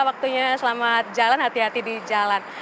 waktunya selamat jalan hati hati di jalan